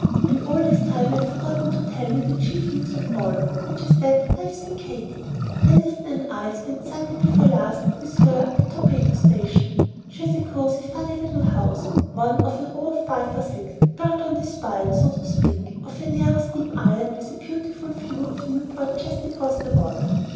And all this time I have forgotten to tell you the chief news of all, which is that I have seen Katy. Deniston and I spent Sunday before last with her at the Torpedo station. She has a cosey, funny little house, one of a row of five or six, built on the spine, so to speak, of a narrow, steep island, with a beautiful view of Newport just across the water.